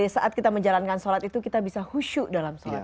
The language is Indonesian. saat kita menjalankan sholat itu kita bisa khusyuk dalam sholat